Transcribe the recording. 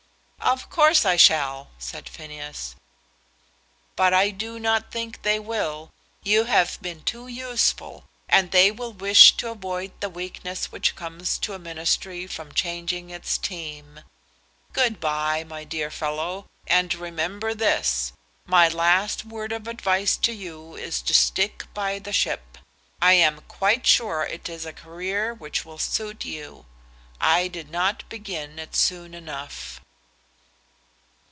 "Of course I shall," said Phineas. "But I do not think they will. You have been too useful, and they will wish to avoid the weakness which comes to a ministry from changing its team. Good bye, my dear fellow; and remember this, my last word of advice to you is to stick by the ship. I am quite sure it is a career which will suit you. I did not begin it soon enough."